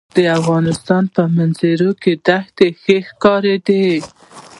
د افغانستان په منظره کې دښتې ښکاره ده.